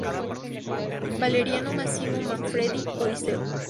Valerio Massimo Manfredi: Odiseo.